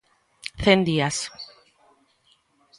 Cen días.